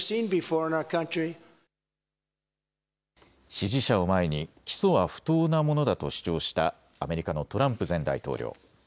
支持者を前に起訴は不当なものだと主張したアメリカのトランプ前大統領。